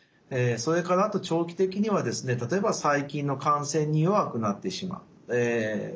それからあと長期的にはですね例えば細菌の感染に弱くなってしまうそういったリスクもあります。